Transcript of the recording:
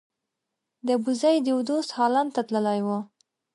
د ابوزید یو دوست هالند ته تللی و.